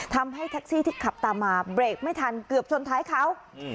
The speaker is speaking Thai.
ทำให้แท็กซี่ที่ขับตามมาเบรกไม่ทันเกือบชนท้ายเขาอืม